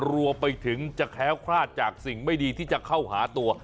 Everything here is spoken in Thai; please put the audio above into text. รวมไปถึงจะแคล้วคลาดจากสิ่งไม่ดีที่จะเข้าหาตัว